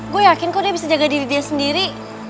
gue yakin kok dia bisa jaga diri dia sendiri